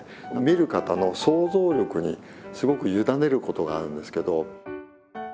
見る方の想像力にすごく委ねることがあるんですけど。